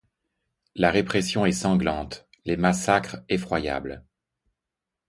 La répression est sanglante, les massacres effroyables.